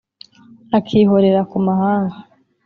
akihorera ku mahanga;